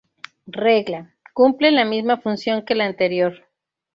Regla: cumple la misma función que la anterior.